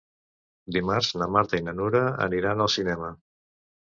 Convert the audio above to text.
Dimarts na Marta i na Nura aniran al cinema.